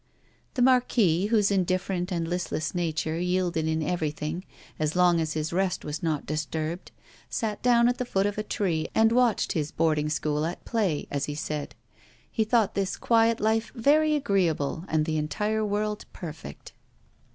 The Marquis, whose indifferent and listless nature yielded in everything, as long as his rest was not disturbed, sat down at the foot of a tree, and watched his boarding school at play, as he said. He thought this quiet life very agreeable, and the entire world perfect.